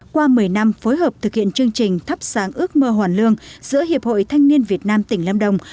qua một mươi năm phối hợp thực hiện chương trình thắp sáng ước mơ hoàn lương giữa hiệp hội thanh niên việt nam tỉnh lâm đồng